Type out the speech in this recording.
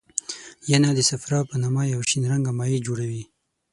ینه د صفرا په نامه یو شین رنګه مایع جوړوي.